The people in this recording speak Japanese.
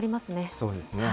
そうですね。